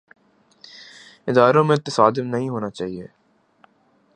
اداروں میں تصادم نہیں ہونا چاہیے۔